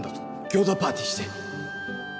餃子パーティーして。